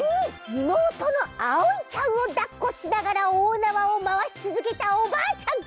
いもうとのあおいちゃんをだっこしながらおおなわをまわしつづけたおばあちゃん。